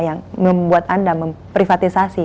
yang membuat anda memprivatisasi